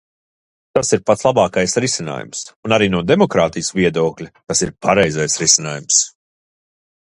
Tas ir pats labākais risinājums, un arī no demokrātijas viedokļa tas ir pareizais risinājums.